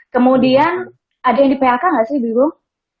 kemudian ada yang di plk nggak sih bli bung